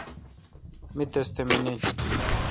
می تس تھ مانیل۔